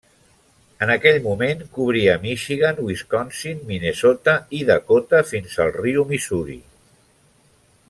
En aquell moment cobria Michigan, Wisconsin, Minnesota i Dakota fins al riu Missouri.